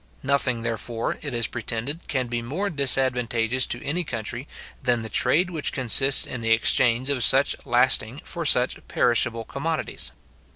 Nothing, therefore, it is pretended, can be more disadvantageous to any country, than the trade which consists in the exchange of such lasting for such perishable commodities.